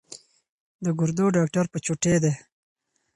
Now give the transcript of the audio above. د ګردو ډاکټر په چوټۍ دی